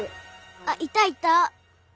あっいたいた！